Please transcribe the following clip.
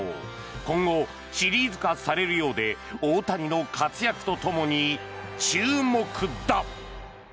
今後、シリーズ化されるようで大谷の活躍とともに注目だ。